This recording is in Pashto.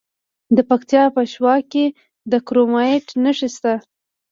د پکتیا په شواک کې د کرومایټ نښې شته.